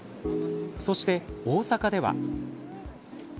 そして、大阪では。